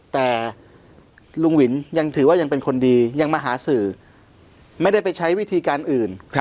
แต่ลุงวินยังถือว่ายังเป็นคนดียังมาหาสื่อไม่ได้ไปใช้วิธีการอื่น